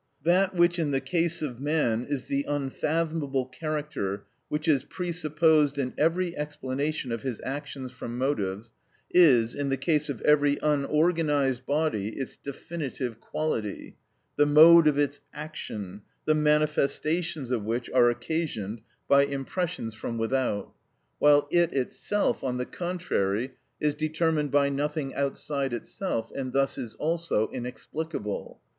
That which in the case of man is the unfathomable character which is presupposed in every explanation of his actions from motives is, in the case of every unorganised body, its definitive quality—the mode of its action, the manifestations of which are occasioned by impressions from without, while it itself, on the contrary, is determined by nothing outside itself, and thus is also inexplicable.